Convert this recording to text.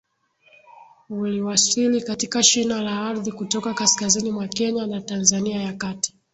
wliwasili katika shina la ardhi kutoka kaskazini mwa Kenya na Tanzania ya kati